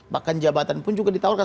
bahkan jabatan pun juga ditawarkan